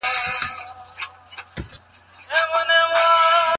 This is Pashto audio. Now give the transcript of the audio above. د ستونزو په وړاندې هيڅکله وارخطا او تسليم مه کېږه.